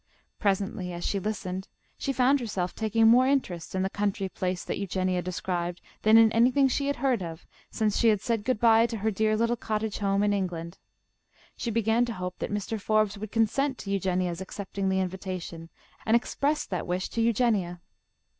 Presently, as she listened, she found herself taking more interest in the country place that Eugenia described than in anything she had heard of since she said good bye to her dear little cottage home in England. She began to hope that Mr. Forbes would consent to Eugenia's accepting the invitation, and expressed that wish to Eugenia.